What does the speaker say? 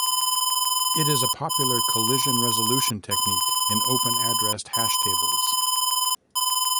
It is a popular collision-resolution technique in open-addressed hash tables.